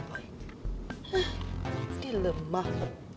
hah dia lemah